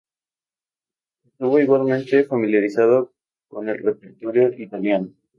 Estuvo igualmente familiarizado con el repertorio italiano.